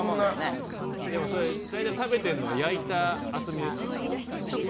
でも大体食べてるのは焼いた厚みですからね。